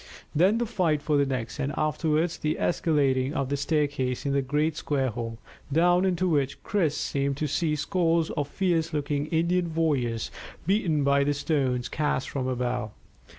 Then the fight for the next, and afterwards the escalading of the staircase in the great square hole, down into which Chris seemed to see scores of fierce looking Indian warriors beaten by the stones cast from above.